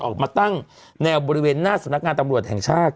ออกมาตั้งแนวบริเวณหน้าสำนักงานตำรวจแห่งชาติ